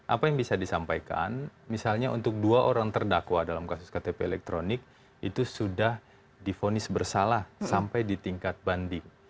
apa yang bisa disampaikan misalnya untuk dua orang terdakwa dalam kasus ktp elektronik itu sudah difonis bersalah sampai di tingkat banding